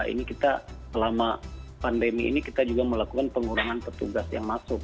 ini kita selama pandemi ini kita juga melakukan pengurangan petugas yang masuk